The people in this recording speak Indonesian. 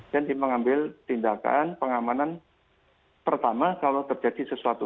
dan dia mengambil tindakan pengamanan pertama kalau terjadi sesuatu